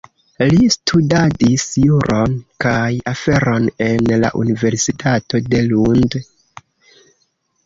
Li studadis juron kaj aferon en la universitato de Lund.